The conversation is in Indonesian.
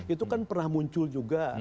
itu kan pernah muncul juga